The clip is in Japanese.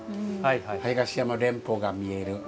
東山連峰が見える。